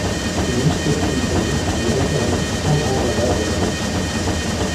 La mousqueterie et la mitraille alternaient, sans grand ravage à la vérité.